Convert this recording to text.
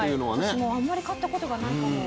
私もあんまり買ったことがないかも。